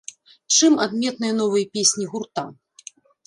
Чым адметныя новыя песні гурта?